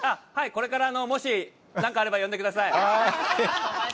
これから、もし何かあれば呼んでください。